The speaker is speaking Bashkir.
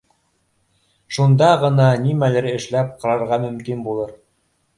Шунда ғына нимәлер эшләп ҡарарға мөмкин булыр